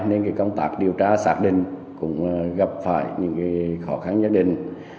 nên công tác điều tra xác định cũng gặp phải những khó khăn nhất định